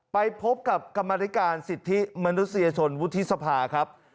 ไปพบกับกรรมธิการสิทธิมนุษยชนวุฒิสภาครับ